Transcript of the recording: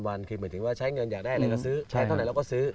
วันคือหมายถึงว่าใช้เงินอยากได้อะไรก็ซื้อใช้เท่าไหร่เราก็ซื้อ